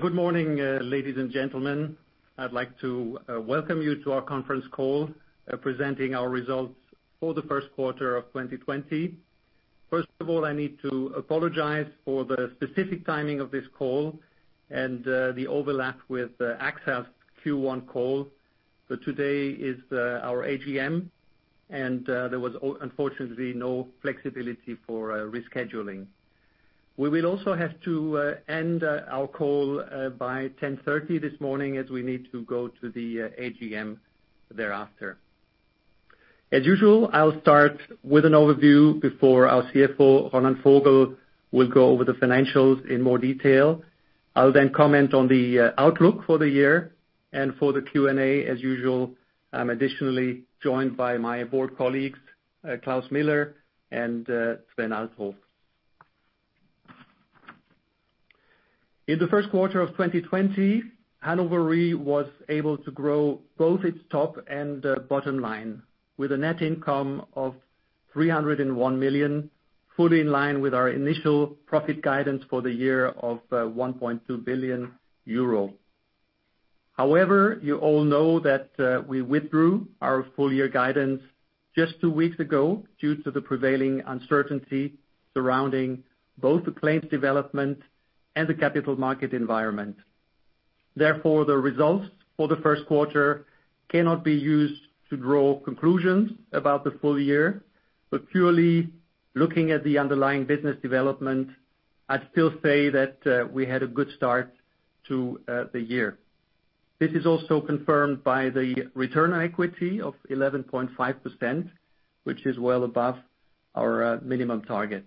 Good morning, ladies and gentlemen. I'd like to welcome you to our conference call, presenting our results for the Q1 of 2020. First of all, I need to apologize for the specific timing of this call and the overlap with AXA's Q1 call. Today is our AGM, and there was, unfortunately, no flexibility for rescheduling. We will also have to end our call by 10:30 A.M. this morning, as we need to go to the AGM thereafter. As usual, I'll start with an overview before our CFO, Roland Vogel, will go over the financials in more detail. I'll then comment on the outlook for the year. For the Q&A, as usual, I'm additionally joined by my board colleagues, Klaus Miller and Sven Althoff. In the Q1 of 2020, Hannover Re was able to grow both its top and bottom line, with a net income of 301 million, fully in line with our initial profit guidance for the year of 1.2 billion euro. However, you all know that we withdrew our full-year guidance just two weeks ago due to the prevailing uncertainty surrounding both the claims development and the capital market environment. Therefore, the results for the Q1 cannot be used to draw conclusions about the full year, but purely looking at the underlying business development, I'd still say that we had a good start to the year. This is also confirmed by the return on equity of 11.5%, which is well above our minimum target.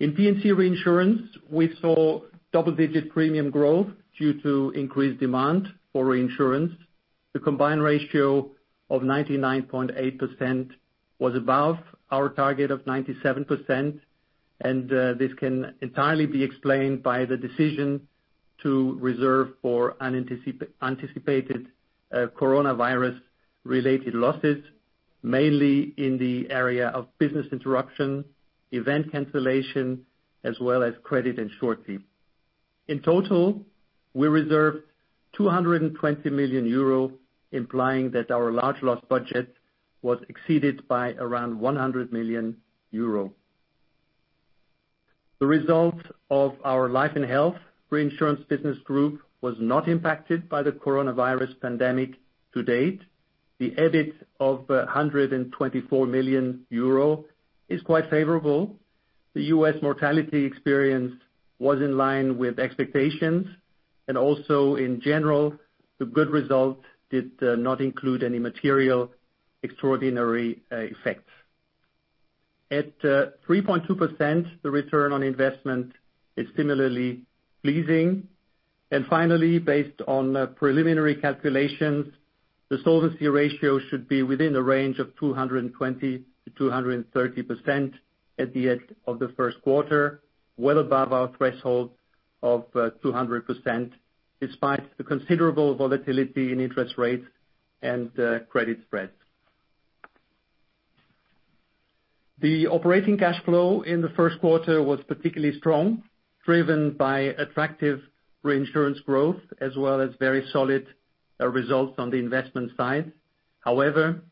In P&C reinsurance, we saw double-digit premium growth due to increased demand for reinsurance. The combined ratio of 99.8% was above our target of 97%, and this can entirely be explained by the decision to reserve for unanticipated coronavirus-related losses, mainly in the area of business interruption, event cancellation, as well as credit and surety. In total, we reserved 220 million euro, implying that our large-loss budget was exceeded by around 100 million euro. The result of our life and health reinsurance business group was not impacted by the coronavirus pandemic to date. The EBIT of 124 million euro is quite favorable. The U.S., mortality experience was in line with expectations, and also, in general, the good result did not include any material extraordinary effects. At 3.2%, the return on investment is similarly pleasing. Finally, based on preliminary calculations, the solvency ratio should be within the range of 220%-230% at the end of the Q!, well above our threshold of 200%, despite the considerable volatility in interest rates and credit spreads. The operating cash flow in the Q1 was particularly strong, driven by attractive reinsurance growth, as well as very solid results on the investment side. However,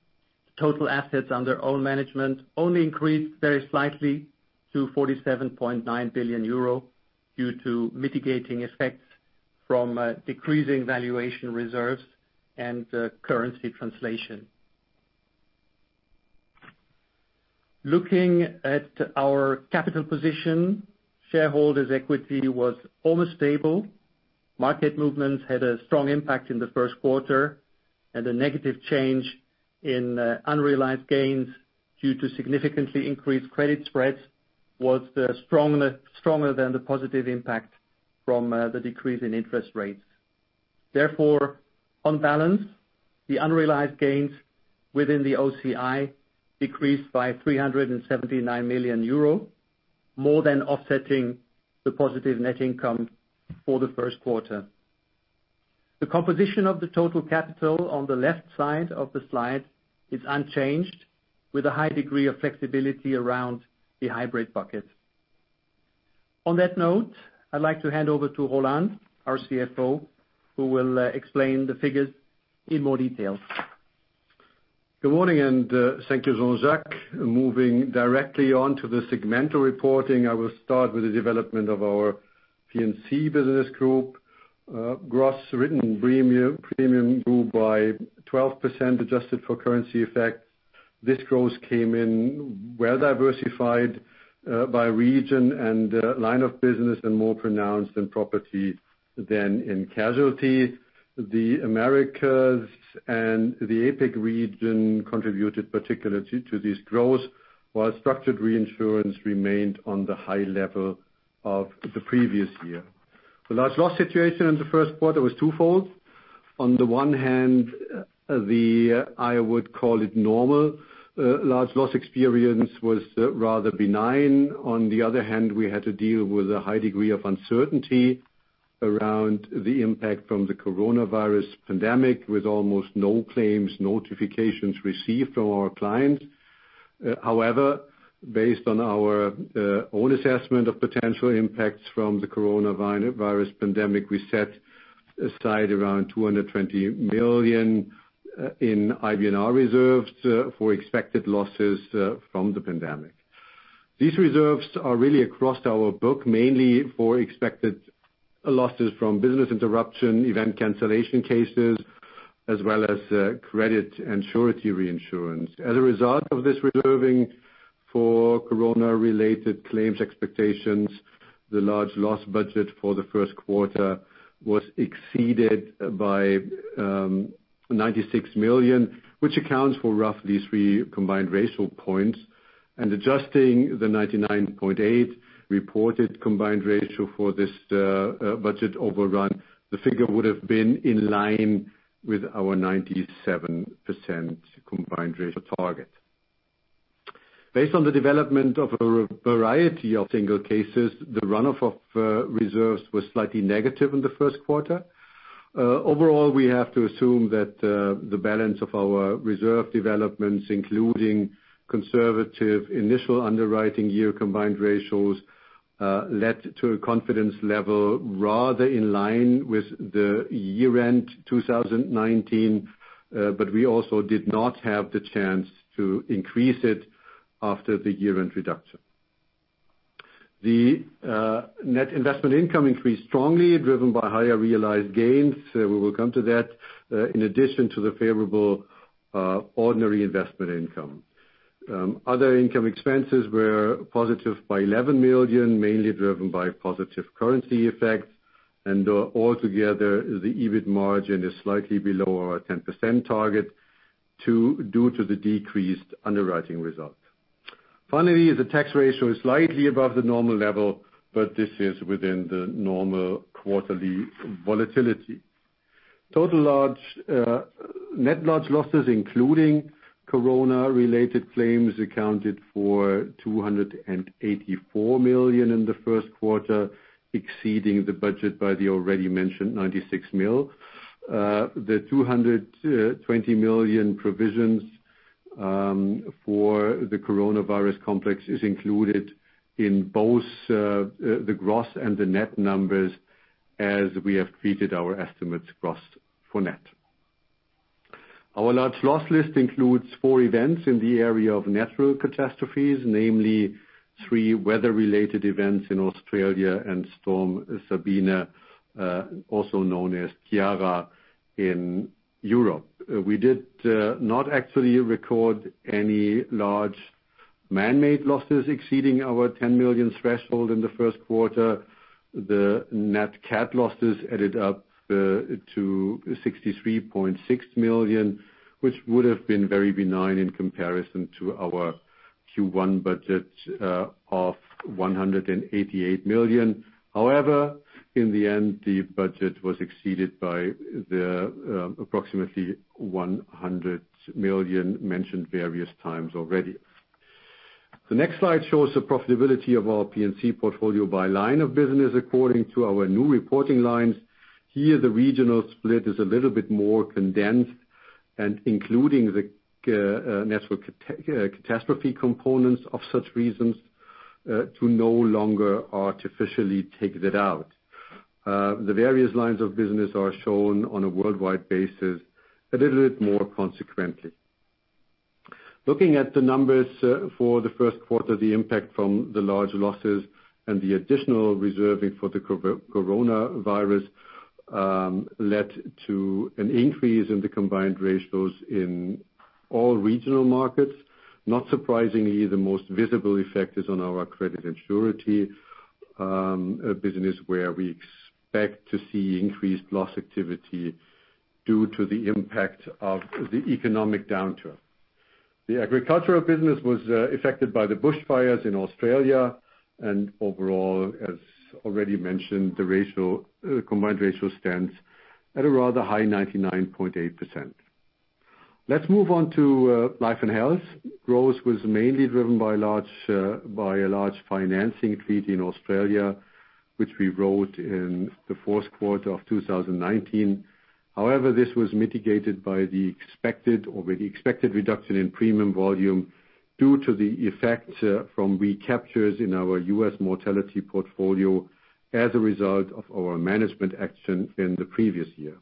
total assets under own management only increased very slightly to 47.9 billion euro due to mitigating effects from decreasing valuation reserves and currency translation. Looking at our capital position, shareholders' equity was almost stable. Market movements had a strong impact in the Q1, and the negative change in unrealized gains due to significantly increased credit spreads was stronger than the positive impact from the decrease in interest rates. Therefore, on balance, the unrealized gains within the OCI decreased by 379 million euro, more than offsetting the positive net income for the Q1. The composition of the total capital on the left side of the slide is unchanged, with a high degree of flexibility around the hybrid bucket. On that note, I'd like to hand over to Roland, our CFO, who will explain the figures in more detail. Good morning, and thank you, Jean-Jacques. Moving directly on to the segmental reporting, I will start with the development of our P&C business group. Gross written premium grew by 12%, adjusted for currency effects. This growth came in well diversified by region and line of business, and more pronounced in property than in casualty. The Americas and the APAC region contributed particularly to this growth, while structured reinsurance remained on the high level of the previous year. The large-loss situation in the Q1 was twofold. On the one hand, I would call it normal. Large-loss experience was rather benign. On the other hand, we had to deal with a high degree of uncertainty around the impact from the coronavirus pandemic, with almost no claims notifications received from our clients. However, based on our own assessment of potential impacts from the coronavirus pandemic, we set aside around 220 million in IBNR reserves for expected losses from the pandemic. These reserves are really across our book, mainly for expected losses from business interruption, event cancellation cases, as well as credit and surety reinsurance. As a result of this reserving for corona-related claims expectations, the large-loss budget for the Q1 was exceeded by 96 million, which accounts for roughly three combined ratio points. Adjusting the 99.8 reported combined ratio for this budget overrun, the figure would have been in line with our 97% combined ratio target. Based on the development of a variety of single cases, the runoff of reserves was slightly negative in the Q1. Overall, we have to assume that the balance of our reserve developments, including conservative initial underwriting year combined ratios, led to a confidence level rather in line with the year-end 2019, but we also did not have the chance to increase it after the year-end reduction. The net investment income increased strongly, driven by higher realized gains. We will come to that, in addition to the favorable ordinary investment income. Other income expenses were positive by 11 million, mainly driven by positive currency effects. Altogether, the EBIT margin is slightly below our 10% target, due to the decreased underwriting result. Finally, the tax ratio is slightly above the normal level, but this is within the normal quarterly volatility. Total net large losses, including corona-related claims, accounted for 284 million in the Q1, exceeding the budget by the already mentioned 96 million. The 220 million provisions for the coronavirus complex are included in both the gross and the net numbers, as we have treated our estimates gross for net. Our large-loss list includes four events in the area of natural catastrophes, namely three weather-related events in Australia and Storm Sabina, also known as Ciara, in Europe. We did not actually record any large manmade losses exceeding our 10 million threshold in the Q1. The net Cat losses added up to 63.6 million, which would have been very benign in comparison to our Q1 budget of 188 million. However, in the end, the budget was exceeded by approximately 100 million mentioned various times already. The next slide shows the profitability of our P&C portfolio by line of business, according to our new reporting lines. Here, the regional split is a little bit more condensed, including the natural catastrophe components, of such reasons to no longer artificially take that out. The various lines of business are shown on a worldwide basis a little bit more consequently. Looking at the numbers for the Q1, the impact from the large losses and the additional reserving for the coronavirus led to an increase in the combined ratios in all regional markets. Not surprisingly, the most visible effect is on our credit and surety business, where we expect to see increased loss activity due to the impact of the economic downturn. The agricultural business was affected by the bushfires in Australia. Overall, as already mentioned, the combined ratio stands at a rather high 99.8%. Let's move on to life and health. Growth was mainly driven by a large financing fee in Australia, which we wrote in the Q4 of 2019. However, this was mitigated by the expected reduction in premium volume due to the effect from recaptures in our U.S. mortality portfolio as a result of our management action in the previous year.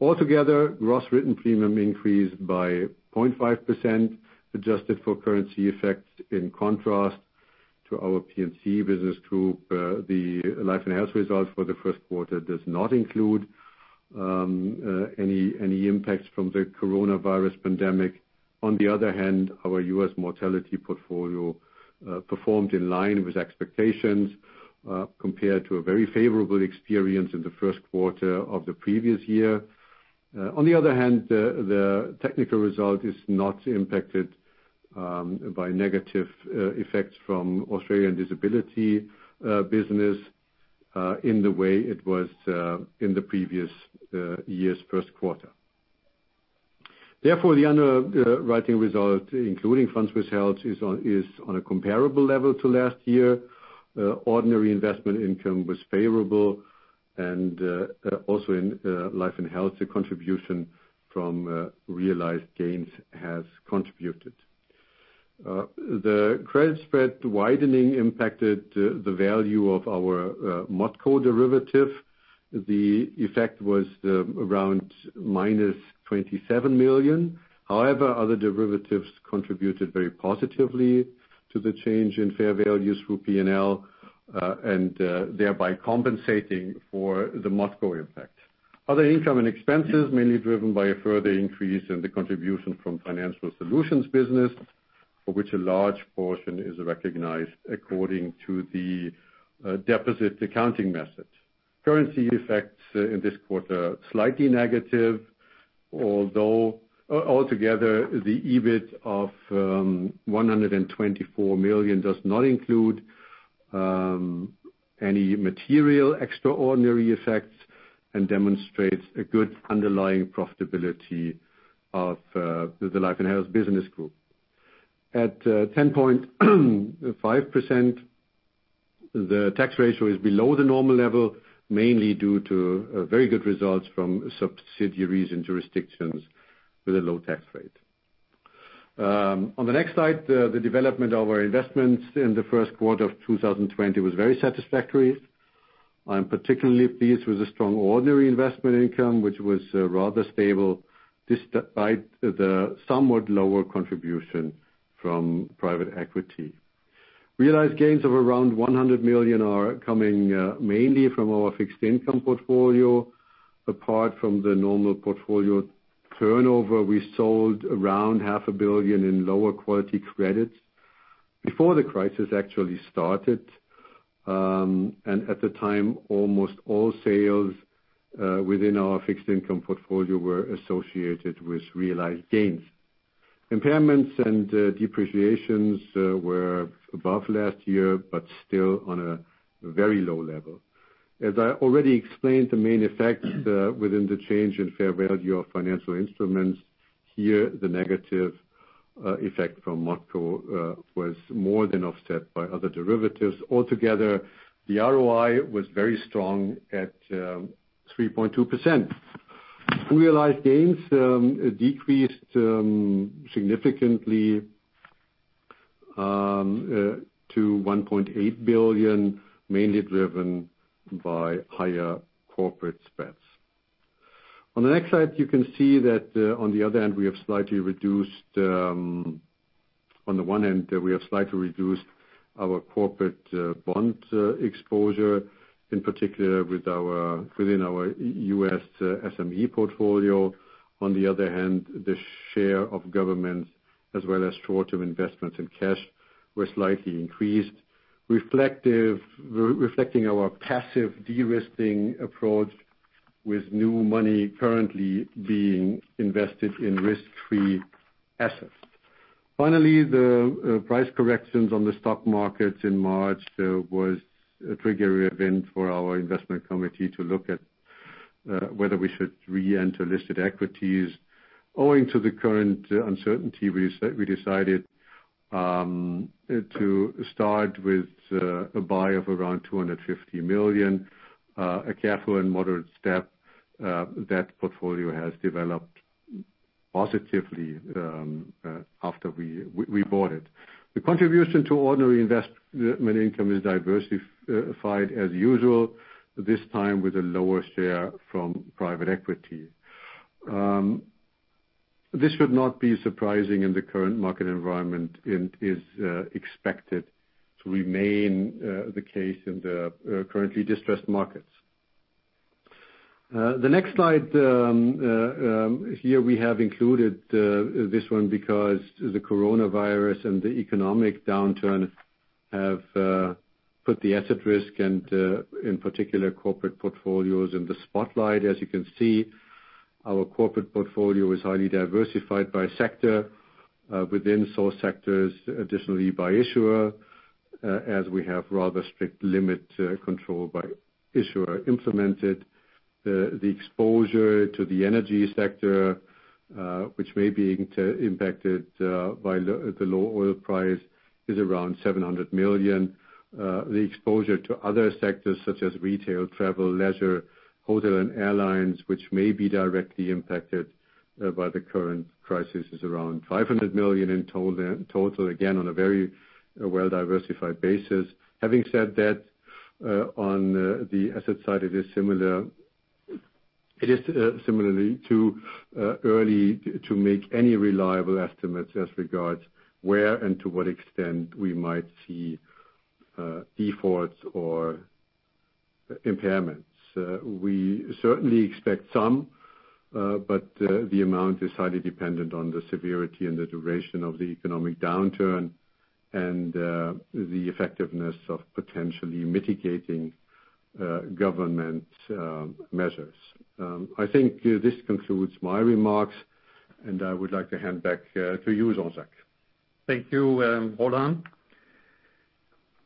Altogether, gross written premium increased by 0.5%, adjusted for currency effects. In contrast to our P&C business group, the life and health result for the Q1 does not include any impact from the coronavirus pandemic. On the other hand, our U.S. mortality portfolio performed in line with expectations, compared to a very favorable experience in the Q1 of the previous year. On the other hand, the technical result is not impacted by negative effects from Australian disability business in the way it was in the previous year's Q1. Therefore, the underwriting result, including funds withheld, is on a comparable level to last year. Ordinary investment income was favorable. And also, in life and health, the contribution from realized gains has contributed. The credit spread widening impacted the value of our ModCo derivative. The effect was around minus 27 million. However, other derivatives contributed very positively to the change in fair values for P&L, thereby compensating for the ModCo impact. Other income and expenses are mainly driven by a further increase in the contribution from financial solutions business, for which a large portion is recognized according to the deposit accounting method. Currency effects in this quarter are slightly negative. Although, altogether, the EBIT of 124 million does not include any material extraordinary effects and demonstrates a good underlying profitability of the life and health business group. At 10.5%, the tax ratio is below the normal level, mainly due to very good results from subsidiaries and jurisdictions with a low tax rate. On the next slide, the development of our investments in the Q1 of 2020 was very satisfactory. I'm particularly pleased with the strong ordinary investment income, which was rather stable despite the somewhat lower contribution from private equity. Realized gains of around €100 million are coming mainly from our fixed income portfolio. Apart from the normal portfolio turnover, we sold around 500 million in lower quality credits before the crisis actually started. At the time, almost all sales within our fixed income portfolio were associated with realized gains. Impairments and depreciations were above last year, but still on a very low level. As I already explained, the main effect within the change in fair value of financial instruments here, the negative effect from ModCo, was more than offset by other derivatives. Altogether, the ROI was very strong at 3.2%. Unrealized gains decreased significantly to 1.8 billion, mainly driven by higher corporate spreads. On the next slide, you can see that, on the one hand, we have slightly reduced our corporate bond exposure, in particular within our US SME portfolio. On the other hand, the share of governments, as well as short-term investments in cash, was slightly increased, reflecting our passive de-risking approach, with new money currently being invested in risk-free assets. Finally, the price corrections on the stock markets in March were a trigger event for our investment committee to look at whether we should re-enter listed equities. Owing to the current uncertainty, we decided to start with a buy of around 250 million, a careful and moderate step that portfolio has developed positively after we bought it. The contribution to ordinary investment income is diversified, as usual, this time with a lower share from private equity. This should not be surprising in the current market environment and is expected to remain the case in the currently distressed markets. The next slide here, we have included this one because the coronavirus and the economic downturn have put the asset risk, and in particular, corporate portfolios, in the spotlight. As you can see, our corporate portfolio is highly diversified by sector, within source sectors, additionally by issuer, as we have rather strict limit control by issuer implemented. The exposure to the energy sector, which may be impacted by the low oil price, is around 700 million. The exposure to other sectors, such as retail, travel, leisure, hotel and airlines, which may be directly impacted by the current crisis, is around 500 million in total, again, on a very well-diversified basis. Having said that, on the asset side, it's still too early to make any reliable estimates as regards where and to what extent we might see defaults or impairments. We certainly expect some, but the amount is highly dependent on the severity and the duration of the economic downturn and the effectiveness of potentially mitigating government measures. I think this concludes my remarks, and I would like to hand back to you, Jean-Jacques. Thank you, Roland.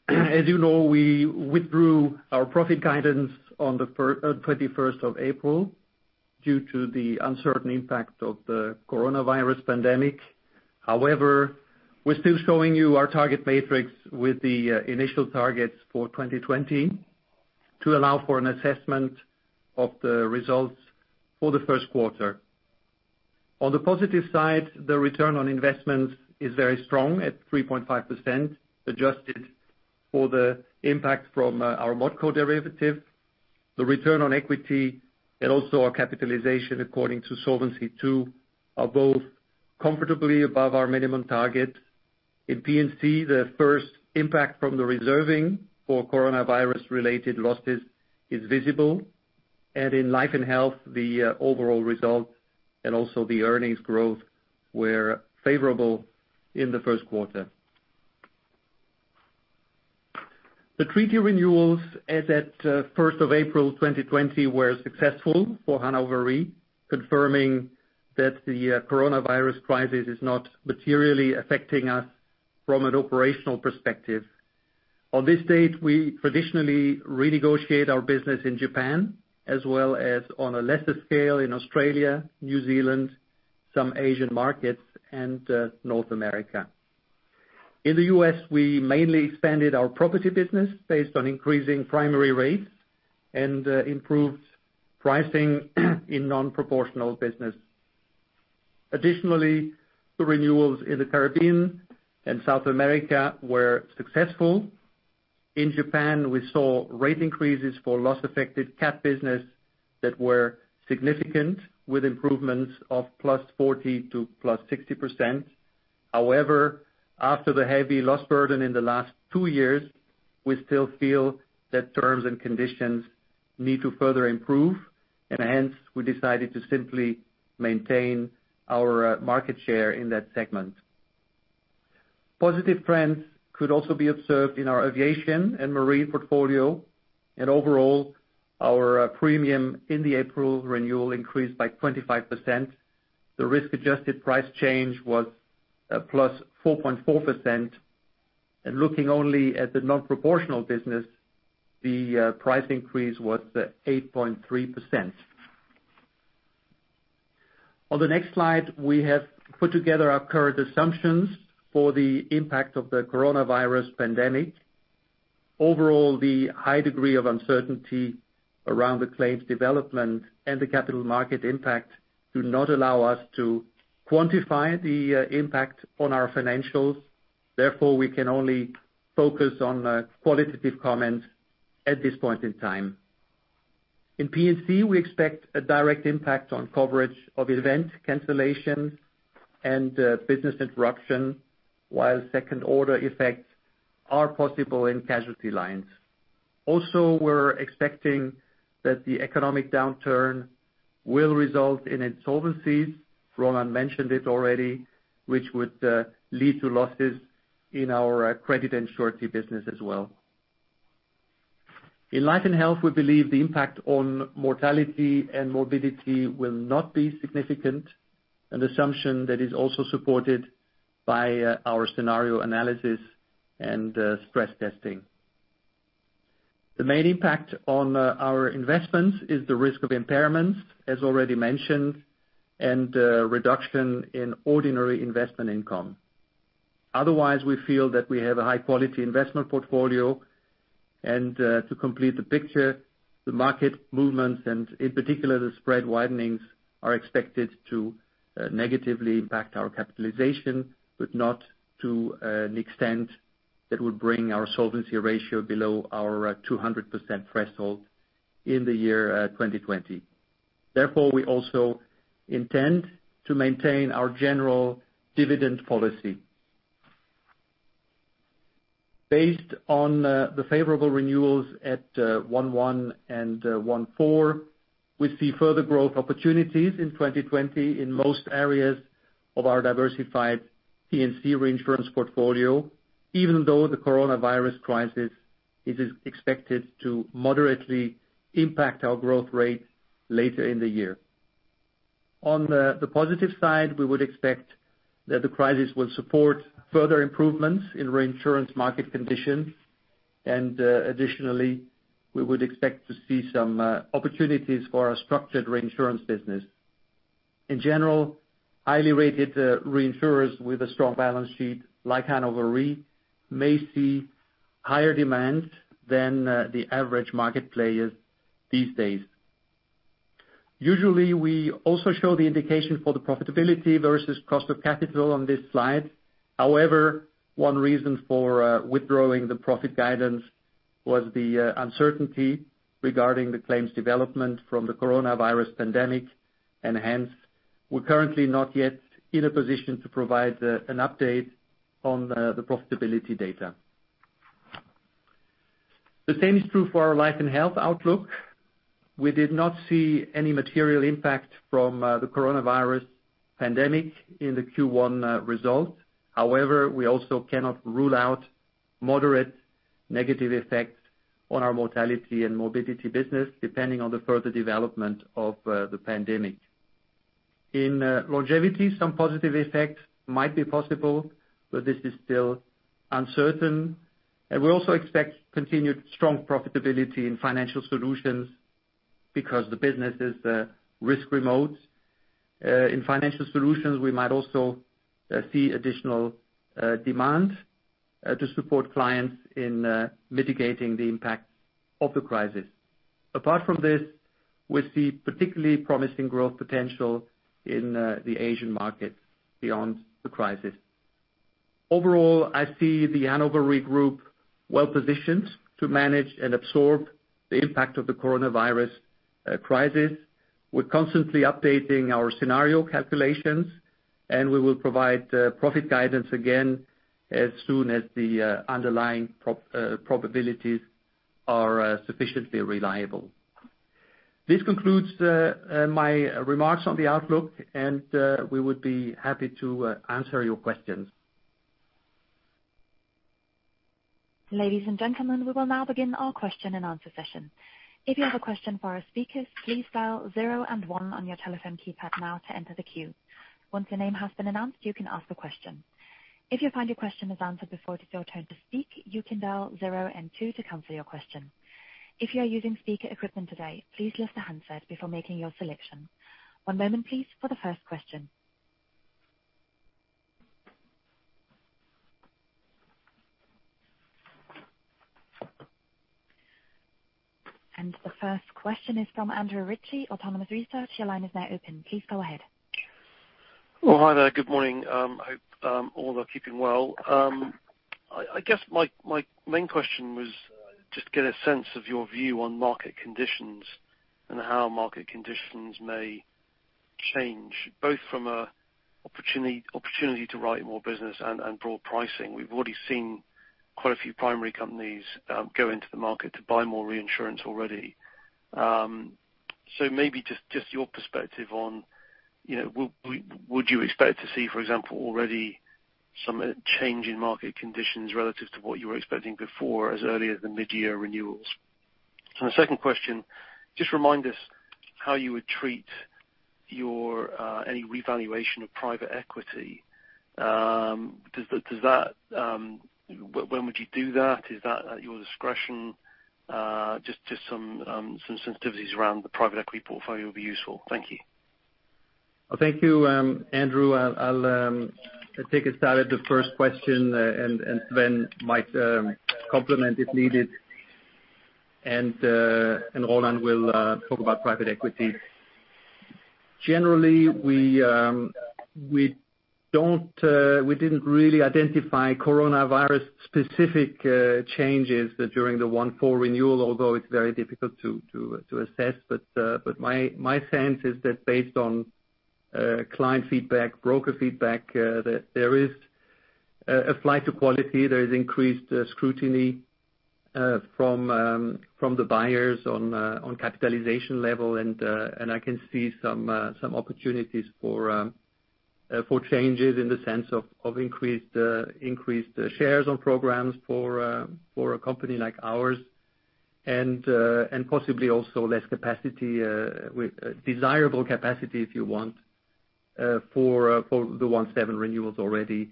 As you know, we withdrew our profit guidance on the April 21st due to the uncertain impact of the coronavirus pandemic. However, we're still showing you our target matrix with the initial targets for 2020 to allow for an assessment of the results for the Q1. On the positive side, the return on investments is very strong at 3.5%, adjusted for the impact from our ModCo derivative. The return on equity and also our capitalization, according to Solvency II, are both comfortably above our minimum target. In P&C, the first impact from the reserving for coronavirus-related losses is visible. And in life and health, the overall result and also the earnings growth were favorable in the Q1 The treaty renewals as of 1st of April 2020 were successful for Hannover Re, confirming that the coronavirus crisis is not materially affecting us from an operational perspective. On this date, we traditionally renegotiate our business in Japan, as well as on a lesser scale in Australia, New Zealand, some Asian markets, and North America. In the US, we mainly expanded our property business based on increasing primary rates and improved pricing in non-proportional business. Additionally, the renewals in the Caribbean and South America were successful. In Japan, we saw rate increases for loss-affected Cat business that were significant, with improvements of +40% to +60%. However, after the heavy loss burden in the last two years, we still feel that terms and conditions need to further improve. Hence, we decided to simply maintain our market share in that segment. Positive trends could also be observed in our aviation and marine portfolio. Overall, our premium in the April renewal increased by 25%. The risk-adjusted price change was +4.4%. Looking only at the non-proportional business, the price increase was 8.3%. On the next slide, we have put together our current assumptions for the impact of the coronavirus pandemic. Overall, the high degree of uncertainty around the claims development and the capital market impact do not allow us to quantify the impact on our financials. Therefore, we can only focus on qualitative comments at this point in time. In P&C, we expect a direct impact on coverage of event cancellations and business interruption, while second-order effects are possible in casualty lines. Also, we're expecting that the economic downturn will result in insolvencies, Roland mentioned it already, which would lead to losses in our credit and surety business as well. In life and health, we believe the impact on mortality and morbidity will not be significant, an assumption that is also supported by our scenario analysis and stress testing. The main impact on our investments is the risk of impairments, as already mentioned, and reduction in ordinary investment income. Otherwise, we feel that we have a high-quality investment portfolio. To complete the picture, the market movements, and in particular, the spread widenings, are expected to negatively impact our capitalization, but not to an extent that would bring our solvency ratio below our 200% threshold in the year 2020. Therefore, we also intend to maintain our general dividend policy. Based on the favorable renewals at 1.1 and 1.4, we see further growth opportunities in 2020 in most areas of our diversified P&C reinsurance portfolio, even though the coronavirus crisis is expected to moderately impact our growth rate later in the year. On the positive side, we would expect that the crisis will support further improvements in reinsurance market conditions. Additionally, we would expect to see some opportunities for our structured reinsurance business. In general, highly rated reinsurers with a strong balance sheet, like Hannover Re, may see higher demand than the average market players these days. Usually, we also show the indication for the profitability versus cost of capital on this slide. However, one reason for withdrawing the profit guidance was the uncertainty regarding the claims development from the coronavirus pandemic. Hence, we're currently not yet in a position to provide an update on the profitability data. The same is true for our life and health outlook. We did not see any material impact from the coronavirus pandemic in the Q1 result. However, we also cannot rule out moderate negative effects on our mortality and morbidity business, depending on the further development of the pandemic. In longevity, some positive effects might be possible, but this is still uncertain. We also expect continued strong profitability in financial solutions because the business is risk remote. In financial solutions, we might also see additional demand to support clients in mitigating the impact of the crisis. Apart from this, we see particularly promising growth potential in the Asian markets beyond the crisis. Overall, I see the Hannover Re Group well positioned to manage and absorb the impact of the coronavirus crisis. We're constantly updating our scenario calculations, and we will provide profit guidance again as soon as the underlying probabilities are sufficiently reliable. This concludes my remarks on the outlook, and we would be happy to answer your questions. Ladies and gentlemen, we will now begin our question and answer session. If you have a question for our speakers, please dial 0 and 1 on your telephone keypad now to enter the queue. Once your name has been announced, you can ask a question. If you find your question is answered before it is your turn to speak, you can dial 0 and 2 to cancel your question. If you are using speaker equipment today, please lift the handset before making your selection. One moment, please, for the first question. And the first question is from Andrew Ritchie, Autonomous Research. Your line is now open. Please go ahead. Hello. Hi, there. Good morning. I hope all are keeping well. I guess my main question was just to get a sense of your view on market conditions and how market conditions may change, both from an opportunity to write more business and broad pricing. We've already seen quite a few primary companies go into the market to buy more reinsurance already. So maybe just your perspective on would you expect to see, for example, already some change in market conditions relative to what you were expecting before as early as the mid-year renewals? And the second question, just remind us how you would treat any revaluation of private equity. When would you do that? Is that at your discretion? Just some sensitivities around the private equity portfolio would be useful. Thank you. Well, thank you, Andrew. I'll take a stab at the first question, and Sven might complement if needed. And Roland will talk about private equity. Generally, we didn't really identify coronavirus-specific changes during the 1.4 renewal, although it's very difficult to assess. But my sense is that based on client feedback, broker feedback, there is a flight to quality. There is increased scrutiny from the buyers on capitalization level. I can see some opportunities for changes in the sense of increased shares on programs for a company like ours, and possibly also less capacity, desirable capacity, if you want, for the 1/7 renewals already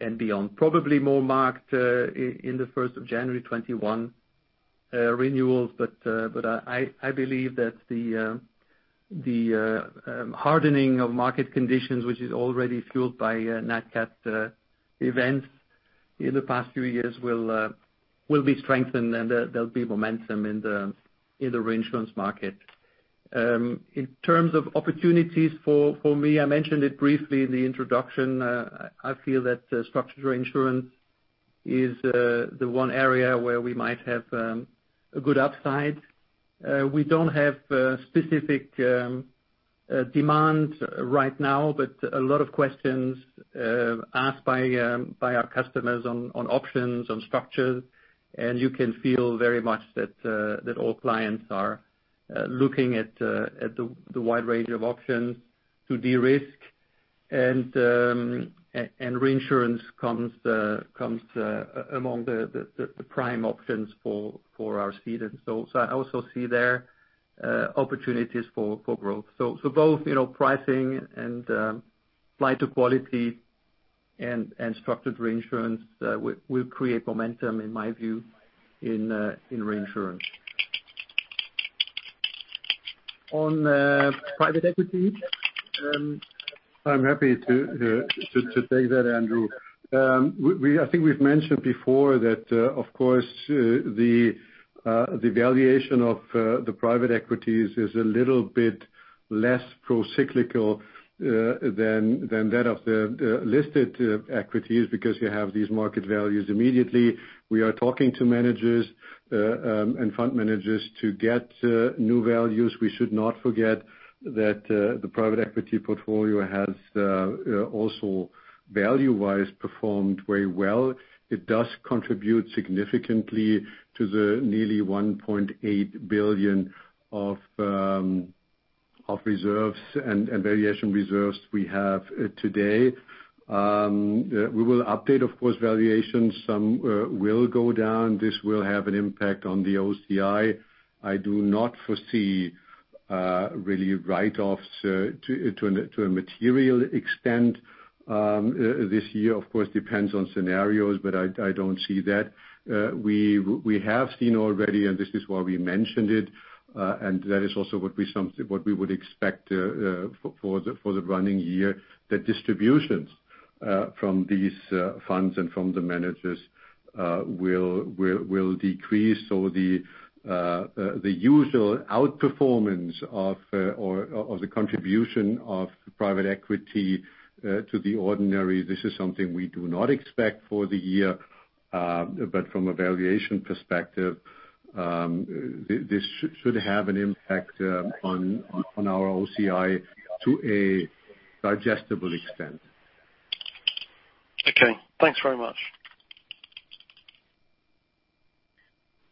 and beyond. Probably more marked in the 1st of January 2021 renewals. I believe that the hardening of market conditions, which is already fueled by NatCat events in the past few years, will be strengthened, and there'll be momentum in the reinsurance market. In terms of opportunities for me, I mentioned it briefly in the introduction. I feel that structured reinsurance is the one area where we might have a good upside. We don't have specific demand right now, but a lot of questions asked by our customers on options, on structure. And you can feel very much that all clients are looking at the wide range of options to de-risk. And reinsurance comes among the prime options for our cedants. So I also see there opportunities for growth. So both pricing and flight to quality and structured reinsurance will create momentum, in my view, in reinsurance. On private equity, I'm happy to take that, Andrew. I think we've mentioned before that, of course, the valuation of the private equities is a little bit less procyclical than that of the listed equities because you have these market values immediately. We are talking to managers and fund managers to get new values. We should not forget that the private equity portfolio has also, value-wise, performed very well. It does contribute significantly to the nearly 1.8 billion of reserves and variation reserves we have today. We will update, of course, valuations. Some will go down. This will have an impact on the OCI. I do not foresee really write-offs to a material extent this year. Of course, it depends on scenarios, but I don't see that. We have seen already, and this is why we mentioned it, and that is also what we would expect for the running year, that distributions from these funds and from the managers will decrease. So the usual outperformance of the contribution of private equity to the ordinary, this is something we do not expect for the year. But from a valuation perspective, this should have an impact on our OCI to a digestible extent. Okay. Thanks very much.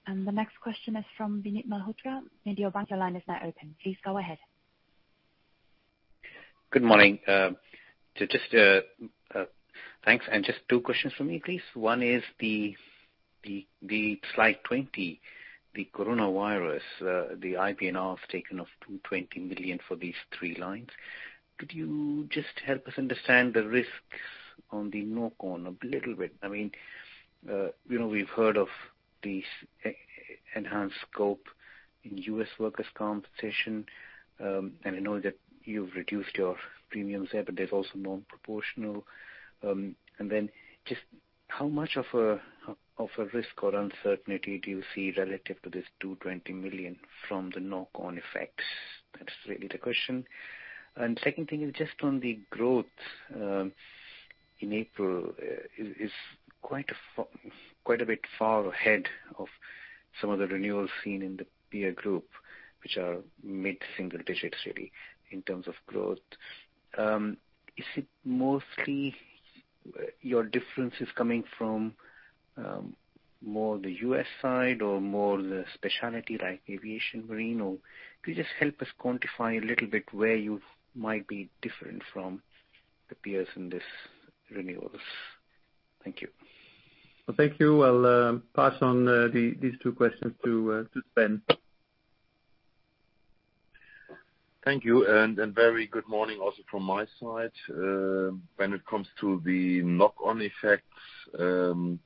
And the next question is from Vinit Malhotra. Maybe your line is now open. Please go ahead. Good morning. Just thanks. And just two questions for me, please. One is the Slide 20, the coronavirus, the IPNR staking of 220 million for these three lines. Could you just help us understand the risks on the corona a little bit? I mean, we've heard of the enhanced scope in US workers' compensation. And I know that you've reduced your premiums there, but there's also non-proportional. And then just how much of a risk or uncertainty do you see relative to this 220 million from the corona effects? That's really the question. And the second thing is just on the growth in April is quite a bit far ahead of some of the renewals seen in the peer group, which are mid-single digits, really, in terms of growth. Is it mostly your difference is coming from more the US side or more the specialty like aviation, marine, or could you just help us quantify a little bit where you might be different from the peers in this renewals? Thank you. Well, thank you. I'll pass on these two questions to Sven. Thank you. And very good morning also from my side. When it comes to the knock-on effects,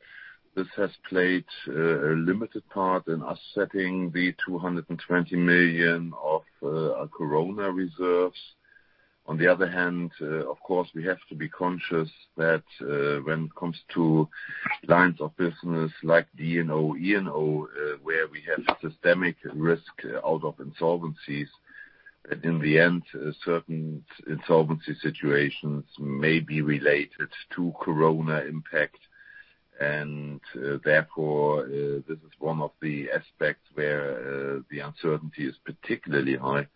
this has played a limited part in us setting the 220 million of our corona reserves. On the other hand, of course, we have to be conscious that when it comes to lines of business like D&O, E&O, where we have systemic risk out of insolvencies, in the end, certain insolvency situations may be related to corona impact. Therefore, this is one of the aspects where the uncertainty is particularly high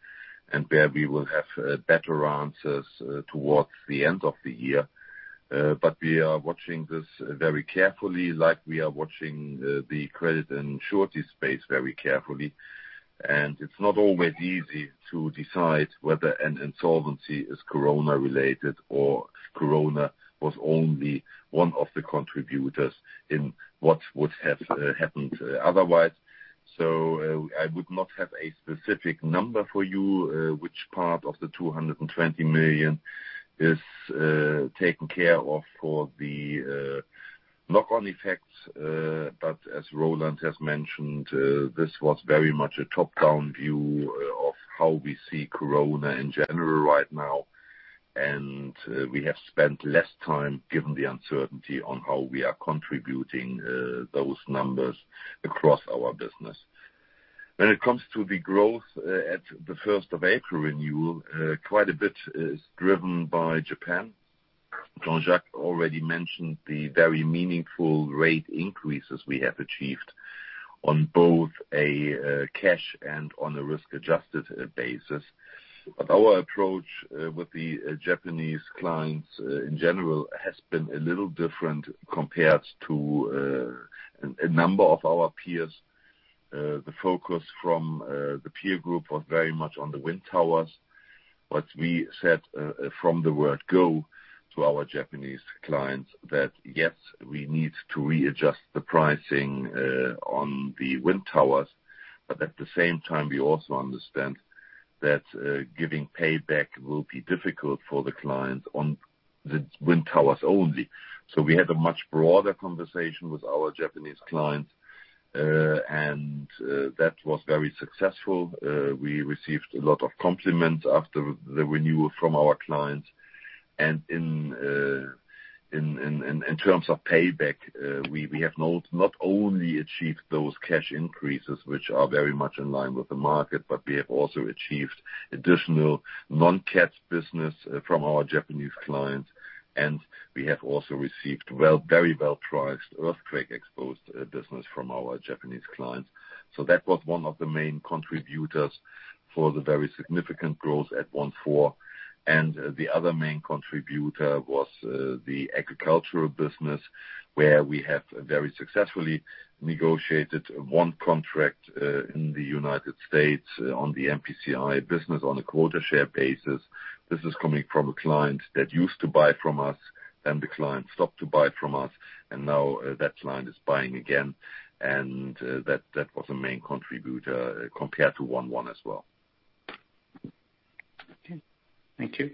and where we will have better answers towards the end of the year. But we are watching this very carefully, like we are watching the credit and insurance space very carefully. It's not always easy to decide whether an insolvency is corona-related or corona was only one of the contributors in what would have happened otherwise. I would not have a specific number for you, which part of the 220 million is taken care of for the knock-on effects. But as Roland has mentioned, this was very much a top-down view of how we see corona in general right now. We have spent less time given the uncertainty on how we are contributing those numbers across our business. When it comes to the growth at the 1st of April renewal, quite a bit is driven by Japan. Jean-Jacques already mentioned the very meaningful rate increases we have achieved on both a cash and on a risk-adjusted basis. But our approach with the Japanese clients in general has been a little different compared to a number of our peers. The focus from the peer group was very much on the wind towers. But we said from the word go to our Japanese clients that, yes, we need to readjust the pricing on the wind towers. But at the same time, we also understand that giving payback will be difficult for the clients on the wind towers only. So we had a much broader conversation with our Japanese clients, and that was very successful. We received a lot of compliments after the renewal from our clients. In terms of payback, we have not only achieved those cash increases, which are very much in line with the market, but we have also achieved additional non-cash business from our Japanese clients. We have also received very well-priced earthquake-exposed business from our Japanese clients. So that was one of the main contributors for the very significant growth at 1.4. The other main contributor was the agricultural business, where we have very successfully negotiated one contract in the United States on the MPCI business on a quota share basis. This is coming from a client that used to buy from us, then the client stopped to buy from us, and now that client is buying again. That was a main contributor compared to 1.1 as well. Okay. Thank you.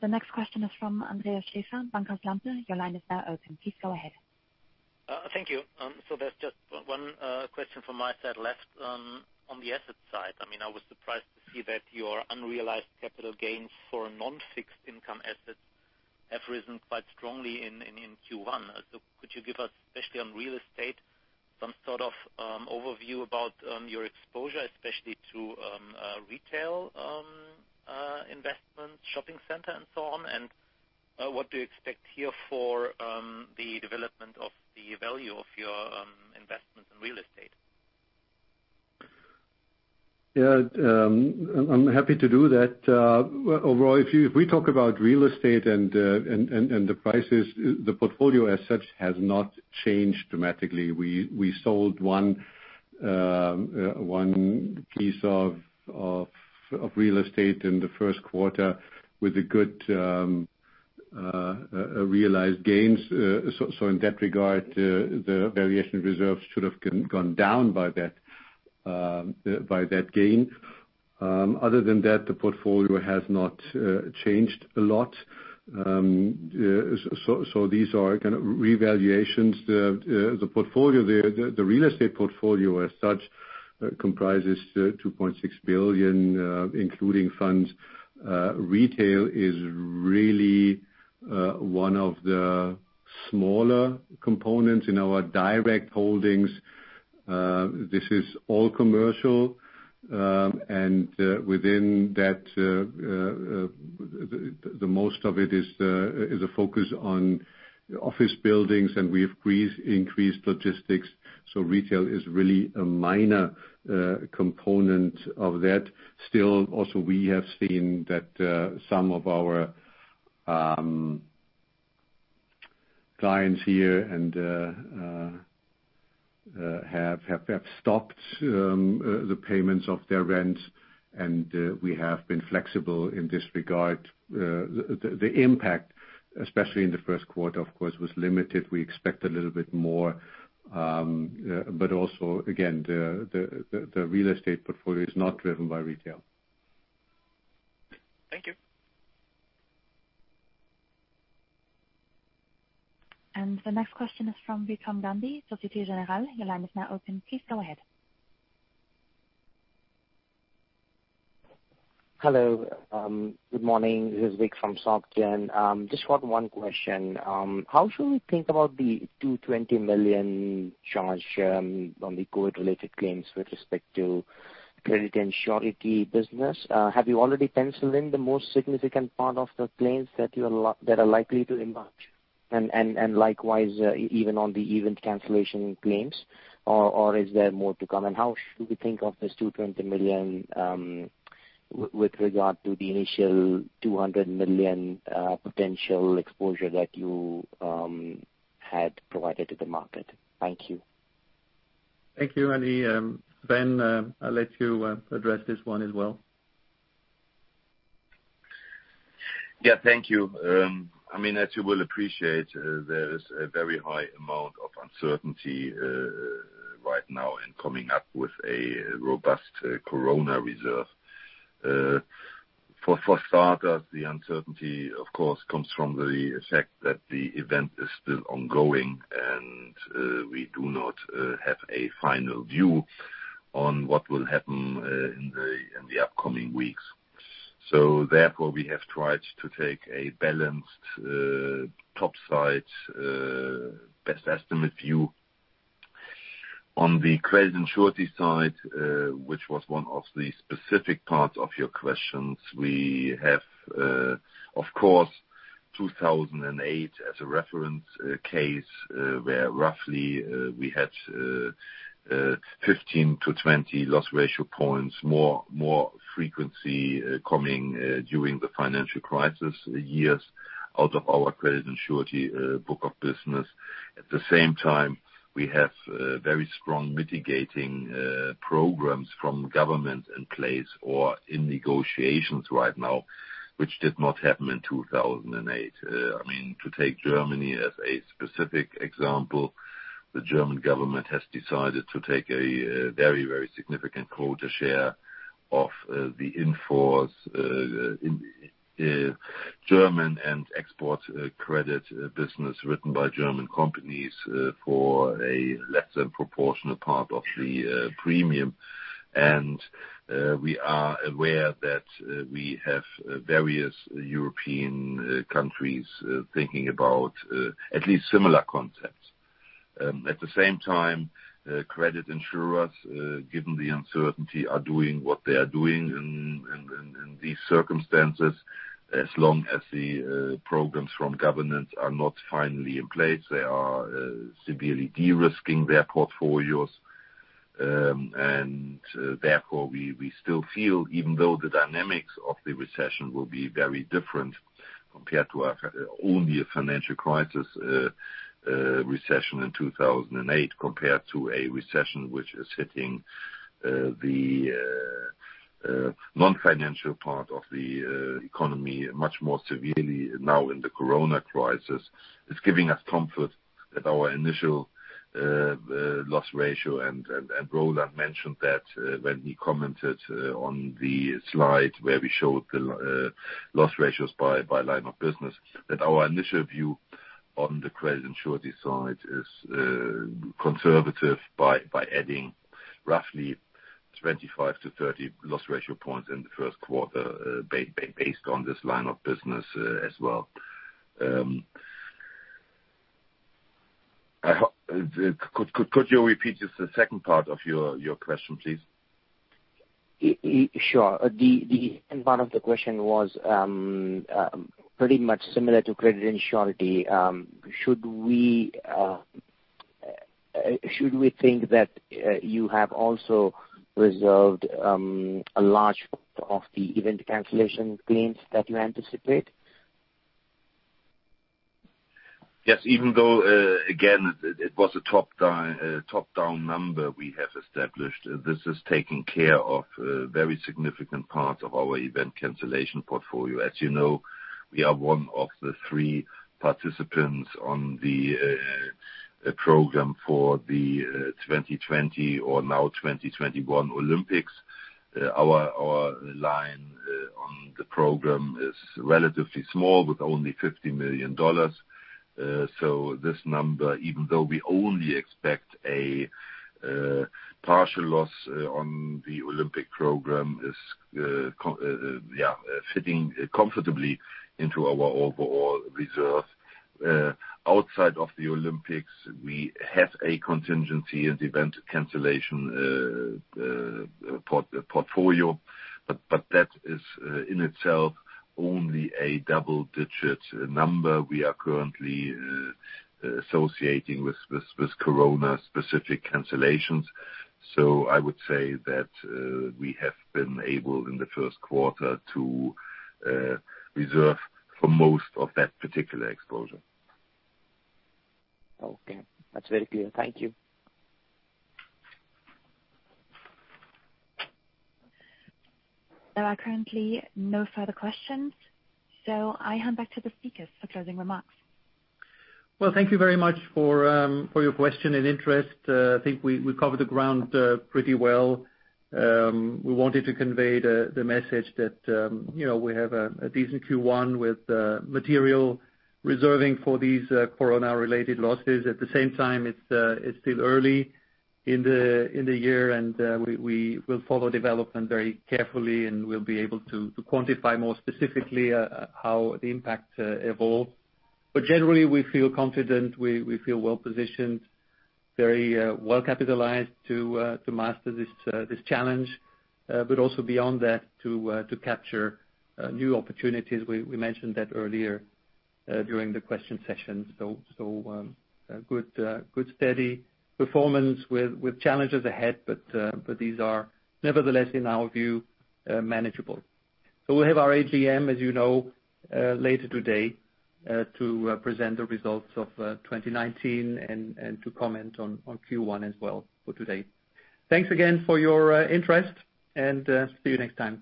The next question is from Andreas Schäfer, Bankhaus Lampe. Your line is now open. Please go ahead. Thank you. So there's just one question from my side left on the asset side. I mean, I was surprised to see that your unrealized capital gains for non-fixed income assets have risen quite strongly in Q1. So could you give us, especially on real estate, some sort of overview about your exposure, especially to retail investments, shopping centers, and so on? And what do you expect here for the development of the value of your investments in real estate? Yeah. I'm happy to do that. Overall, if we talk about real estate and the prices, the portfolio as such has not changed dramatically. We sold one piece of real estate in the Q1 with good realized gains. So in that regard, the variation reserves should have gone down by that gain. Other than that, the portfolio has not changed a lot. These are kind of revaluations. The real estate portfolio as such comprises 2.6 billion, including funds. Retail is really one of the smaller components in our direct holdings. This is all commercial. Within that, most of it is a focus on office buildings, and we have increased logistics. Retail is really a minor component of that. Still, also, we have seen that some of our clients here have stopped the payments of their rents, and we have been flexible in this regard. The impact, especially in the Q1, of course, was limited. We expect a little bit more. Also, again, the real estate portfolio is not driven by retail. Thank you. The next question is from Vikram Gandhi, Société Générale. Your line is now open. Please go ahead. Hello. Good morning. This is Vick from SOCGen. Just one question. How should we think about the 220 million charge on the COVID-related claims with respect to credit and insurance business? Have you already penciled in the most significant part of the claims that are likely to emerge? And likewise, even on the event cancellation claims, or is there more to come? And how should we think of this 220 million with regard to the initial 200 million potential exposure that you had provided to the market? Thank you. Thank you, Andy. Sven, I'll let you address this one as well. Yeah. Thank you. I mean, as you will appreciate, there is a very high amount of uncertainty right now in coming up with a robust corona reserve. For starters, the uncertainty, of course, comes from the fact that the event is still ongoing, and we do not have a final view on what will happen in the upcoming weeks. So therefore, we have tried to take a balanced top-side best estimate view. On the credit insurance side, which was one of the specific parts of your questions, we have, of course, 2008 as a reference case where roughly we had 15-20 loss ratio points, more frequency coming during the financial crisis years out of our credit insurance book of business. At the same time, we have very strong mitigating programs from government in place or in negotiations right now, which did not happen in 2008. I mean, to take Germany as a specific example, the German government has decided to take a very, very significant quota share of the in-force German and export credit business written by German companies for a less than proportional part of the premium. And we are aware that we have various European countries thinking about at least similar concepts. At the same time, credit insurers, given the uncertainty, are doing what they are doing in these circumstances as long as the programs from governance are not finally in place. They are severely de-risking their portfolios. Therefore, we still feel, even though the dynamics of the recession will be very different compared to only a financial crisis recession in 2008 compared to a recession which is hitting the non-financial part of the economy much more severely now in the corona crisis, it's giving us comfort that our initial loss ratio and Roland mentioned that when he commented on the slide where we showed the loss ratios by line of business, that our initial view on the credit insurance side is conservative by adding roughly 25-30 loss ratio points in the Q1 based on this line of business as well. Could you repeat just the second part of your question, please? Sure. The one of the questions was pretty much similar to credit insurance. Should we think that you have also resolved a large part of the event cancellation claims that you anticipate? Yes. Even though, again, it was a top-down number we have established, this is taking care of very significant parts of our event cancellation portfolio. As you know, we are one of the three participants on the program for the 2020 or now 2021 Olympics. Our line on the program is relatively small with only $50 million. So this number, even though we only expect a partial loss on the Olympic program, is, yeah, fitting comfortably into our overall reserve. Outside of the Olympics, we have a contingency and event cancellation portfolio. But that is in itself only a double-digit number we are currently associating with corona-specific cancellations. So I would say that we have been able in the Q1 to reserve for most of that particular exposure. Okay. That's very clear. Thank you. There are currently no further questions. So I hand back to the speakers for closing remarks. Well, thank you very much for your question and interest. I think we covered the ground pretty well. We wanted to convey the message that we have a decent Q1 with material reserving for these corona-related losses. At the same time, it's still early in the year, and we will follow development very carefully, and we'll be able to quantify more specifically how the impact evolves. But generally, we feel confident, we feel well-positioned, very well-capitalized to master this challenge, but also beyond that to capture new opportunities. We mentioned that earlier during the question session. So good steady performance with challenges ahead, but these are nevertheless, in our view, manageable. So we'll have our AGM, as you know, later today to present the results of 2019 and to comment on Q1 as well for today. Thanks again for your interest, and see you next time.